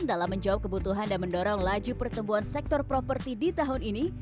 dalam menjawab kebutuhan dan mendorong laju pertumbuhan sektor properti di tahun ini